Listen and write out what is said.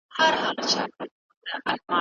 مینه وویشئ.